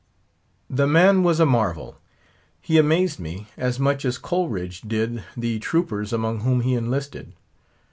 The man was a marvel. He amazed me, as much as Coleridge did the troopers among whom he enlisted.